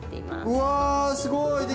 うんすごい！